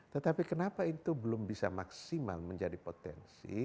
tetapi kenapa itu belum bisa maksimal menjadi potensi